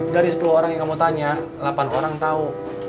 dari sepuluh orang yang kamu tanya delapan orang tahu